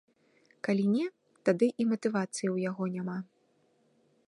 Калі не, тады і матывацыі ў яго няма.